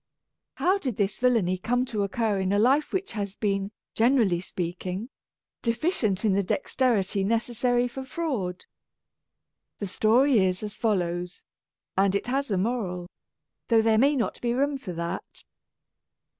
How did this villainy come to occur in a life which has been, generally speaking, deficient in the dexterity necessary for ["3] A Tragedy of Twopence fraud? The story is as follows — and it has a moral, though there may not be room for that.